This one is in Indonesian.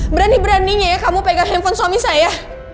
berani beraninya ya kamu pegang handphone suami saya